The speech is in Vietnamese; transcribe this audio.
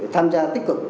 tham gia tích cực